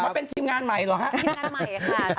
มันเป็นทีมงานใหม่เหรอฮะ